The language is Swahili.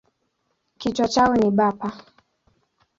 Kichwa chao ni bapa.